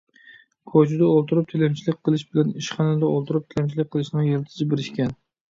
كوچىدا ئولتۇرۇپ تىلەمچىلىك قىلىش بىلەن ئىشخانىدا ئولتۇرۇپ تىلەمچىلىك قىلىشنىڭ يىلتىزى بىر ئىكەن.